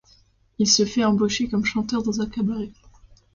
Il se fait embaucher comme chanteur dans un cabaret chic.